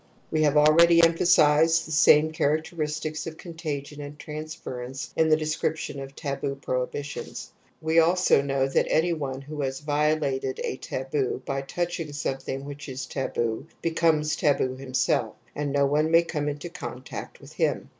We have already emphasized the same characteristics of contagion and transference in the description of taboo prohibitions. We also know that any one who has violated a taboo by touching some thing which is taboo becomes taboo himself, and no one may come into contact with him.